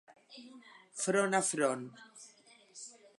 Front a front.